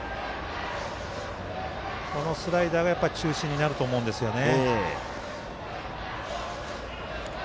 このスライダーが中心になると思うんですよね。